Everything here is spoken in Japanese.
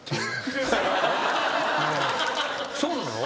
そうなの？